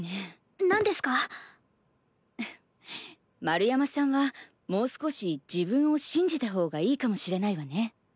丸山さんはもう少し自分を信じた方がいいかもしれないわね。